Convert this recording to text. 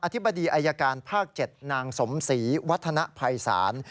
ธิบดีอายการภาค๗นางสมศรีวัฒนภัยศาล